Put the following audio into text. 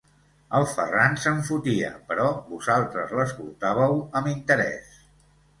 El Ferran se'n fotia, però vosaltres l'escoltàveu amb interès.